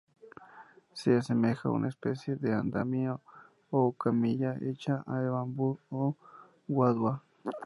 Se asemeja a una especie de andamio o camilla hecha de bambú o guadua.